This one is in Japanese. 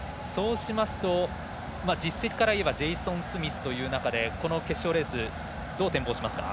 実績からいえばジェイソン・スミスという中でこの決勝レースどう展望しますか。